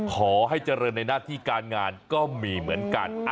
ขอให้เจริญในหน้าที่การงานก็มีเหมือนกัน